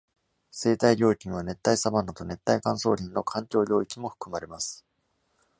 生態領域には、熱帯サバンナと熱帯乾燥林の環境領域も含まれます。